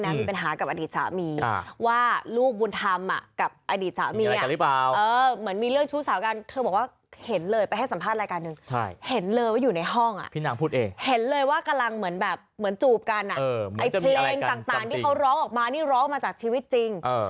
เห็นเลยว่ากำลังเหมือนจูบกันไอ้เพลงต่างที่เขาร้องออกมานี่ร้องออกมาจากชีวิตจริง